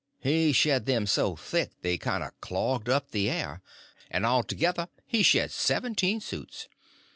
He shed them so thick they kind of clogged up the air, and altogether he shed seventeen suits.